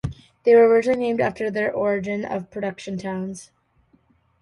They were originally named after their origin or production towns.